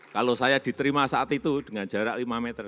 kalau saya diterima saat itu dengan jarak lima meter